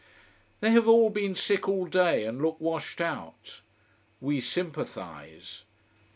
They have all been sick all day, and look washed out. We sympathise.